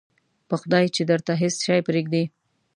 په خدای چې درته هېڅ شی پرېږدي.